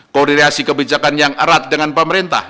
koordinasi kebijakan yang erat dengan pemerintah